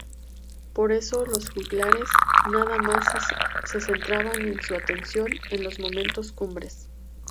Por eso los juglares nada más se centraban su atención en los momentos cumbres.